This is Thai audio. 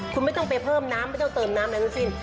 คุณไม่ต้องไปเพิ่มน้ำไม่ต้องเติมน้ำอะไรทั้งสิ้น